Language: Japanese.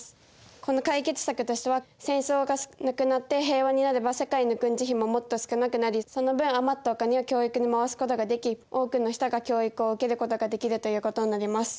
この解決策としては戦争がなくなって平和になれば世界の軍事費ももっと少なくなりその分余ったお金は教育に回すことができ多くの人が教育を受けることができるということになります。